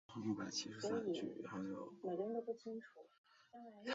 这样的用水会造成严重的经济和生态方面的影响。